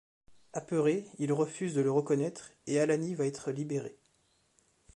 Apeuré, il refuse de le reconnaître et Allani va être libéré.